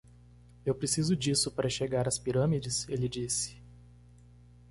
"Eu preciso disso para chegar às Pirâmides?" ele disse.